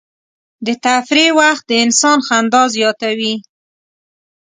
د تفریح وخت د انسان خندا زیاتوي.